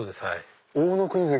大乃国関！